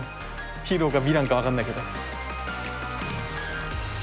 ヒーローかヴィランか分かんないけど。